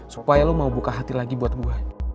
supaya lo mau buka hati lagi buat gue